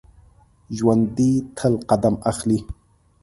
ژوندي تل قدم اخلي